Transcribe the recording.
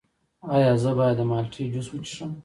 ایا زه باید د مالټې جوس وڅښم؟